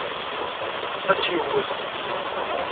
Ad tt-yewwet.